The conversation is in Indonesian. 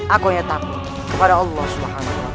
aku ya takut kepada allah swt